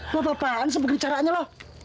lu apa apaan sebegini caranya lu